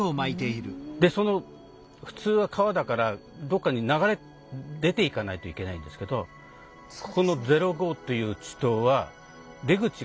で普通は川だからどっかに流れ出ていかないといけないんですけどこの０５という池溏は出口が見当たらないんですよね。